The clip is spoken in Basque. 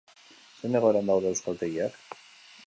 Zein egoeran daude euskaltegiak?